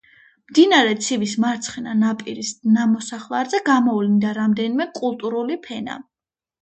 მდინარე ცივის მარცხენა ნაპირის ნამოსახლარზე გამოვლინდა რამდენიმე კულტურული ფენა.